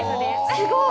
すごい！